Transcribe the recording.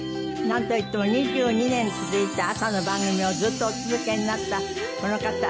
なんといっても２２年続いた朝の番組をずっとお続けになったこの方。